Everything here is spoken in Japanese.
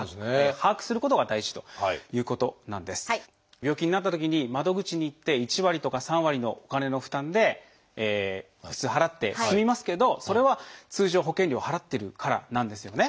病気になったときに窓口に行って１割とか３割のお金の負担で普通払って済みますけどそれは通常保険料を払っているからなんですよね。